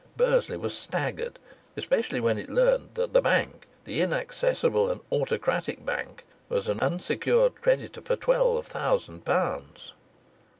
Bursley was staggered, especially when it learnt that the Bank, the inaccessible and autocratic Bank, was an unsecured creditor for twelve thousand pounds.